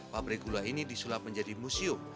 pabrik gula ini disulap menjadi museum